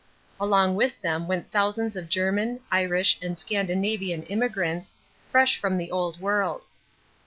Along with them went thousands of German, Irish, and Scandinavian immigrants, fresh from the Old World.